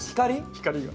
光が。